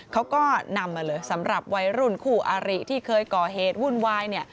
เขาก็นำมาเลยสำหรับวัยรุ่นคู่อาริที่เคยก่อเหตุวุ่นวายเนี่ย